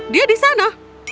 dia di sana